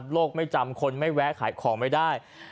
โลกไม่จำคนไม่แวะขายของไม่ได้